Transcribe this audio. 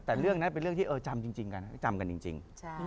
แต่เรื่องนั้นเป็นเรื่องที่จำจริงกันจำกันจริง